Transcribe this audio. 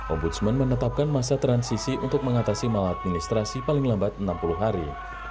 ombudsman menetapkan masa transisi untuk mengatasi maladministrasi paling lambat enam puluh hari